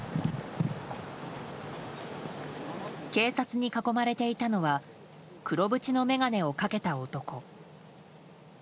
警察に囲まれていたのは黒縁の眼鏡をかけた男。